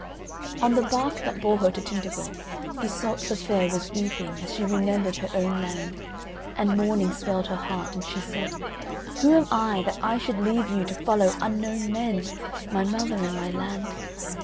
On the bark that bore her to Tintagel Iseult the Fair was weeping as she remembered her own land, and mourning swelled her heart, and she said, "Who am I that I should leave you to follow unknown men, my mother and my land?